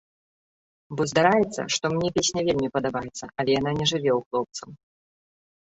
Бо здараецца, што мне песня вельмі падабаецца, але яна не жыве ў хлопцаў!